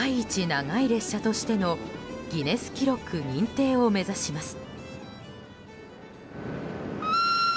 長い列車としてのギネス記録認定を目指します。